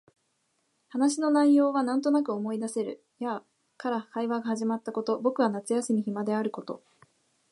話の内容はなんとなく思い出せる。やあ、から会話が始まったこと、僕は夏休み暇であること、